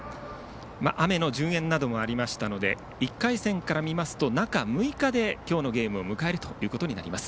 雨の順延などもあって１回戦から見ると中６日で今日のゲームを迎えるということになります。